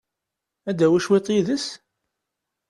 Ad tawi cwiṭ yid-s?